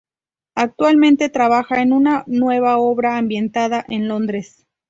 Actualmente trabaja en una nueva obra ambientada en Londres.